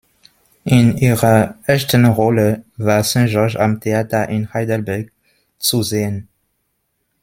In ihrer ersten Rolle war Saint-Georges am Theater in Heidelberg zu sehen.